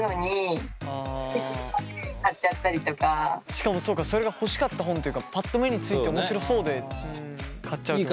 しかもそうかそれが欲しかった本というかパッと目について面白そうで買っちゃうってこと。